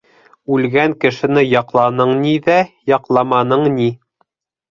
Үлгән кешене яҡланың ни ҙә, яҡламаның ни...